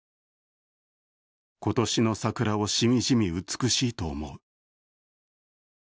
今年の桜をしみじみ美しいと思う。